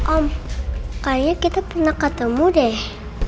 om kayaknya kita pernah ketemu deh